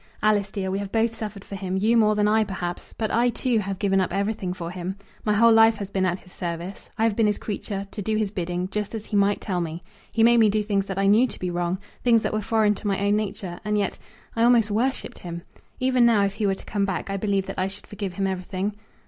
Alice, dear! we have both suffered for him; you more than I, perhaps; but I, too, have given up everything for him. My whole life has been at his service. I have been his creature, to do his bidding, just as he might tell me. He made me do things that I knew to be wrong, things that were foreign to my own nature; and yet I almost worshipped him. Even now, if he were to come back, I believe that I should forgive him everything."